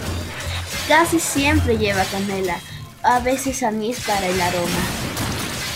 Casi siempre lleva canela, o a veces anís, para el aroma.